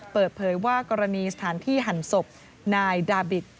เปิดเผยว่ากรณีสถานที่หั่นศพนายดาบิต